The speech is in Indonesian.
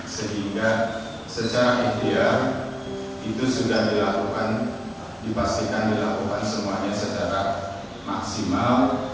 sehingga secara ideal itu sudah dilakukan dipastikan dilakukan semuanya secara maksimal